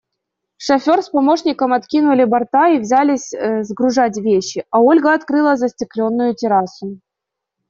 Шофер с помощником откинули борта и взялись сгружать вещи, а Ольга открыла застекленную террасу.